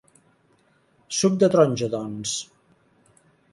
Suc de taronja, doncs.